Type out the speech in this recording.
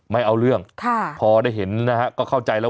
ไม่เอาเรื่องพอได้เห็นนะฮะก็เข้าใจแล้ว